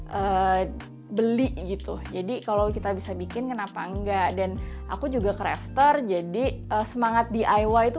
eh beli gitu jadi kalau kita bisa bikin kenapa enggak dan aku juga crafter jadi semangat diy itu